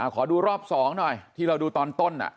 ขอดูรอบ๒หน่อยที่เราดูตอนต้น